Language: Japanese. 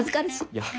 いや。